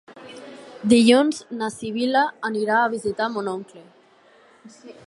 Dilluns na Sibil·la anirà a visitar mon oncle.